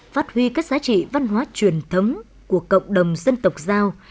phát huy các giá trị văn hóa truyền thống của cộng đồng dân tộc giao